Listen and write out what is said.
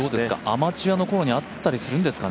アマチュアの頃にはあったりするんですか？